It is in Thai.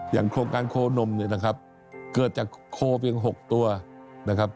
โครงการโคนมเนี่ยนะครับเกิดจากโคเพียง๖ตัวนะครับ